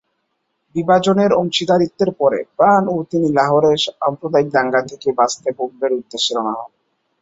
বিভাজনের অংশীদারিত্বের পরে প্রাণ ও তিনি লাহোরে সাম্প্রদায়িক দাঙ্গা থেকে বাঁচতে বোম্বের উদ্দেশ্যে রওনা হন।